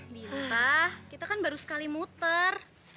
biar kak kita kan baru sekali muter